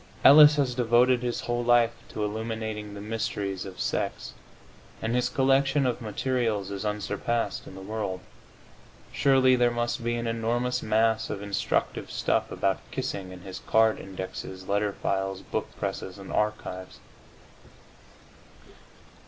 Ellis has devoted his whole life to illuminating the mysteries of sex, and his collection of materials is unsurpassed in the world. Surely there must be an enormous mass of instructive stuff about kissing in his card indexes, letter files, book presses and archives.